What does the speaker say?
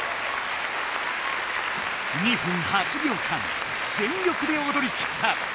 ２分８秒間全力でおどりきった。